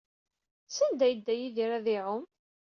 Sanda ay yedda Yidir ad iɛum?